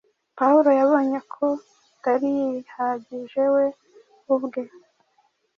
Pawulo yabonye ko atari yihagije we ubwe,